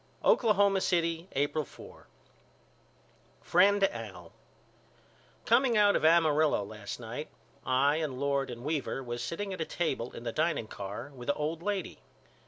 Oklahoma City, April 4. FRIEND AL: Coming out of Amarillo last night I and Lord and Weaver was sitting at a table in the dining car with a old lady.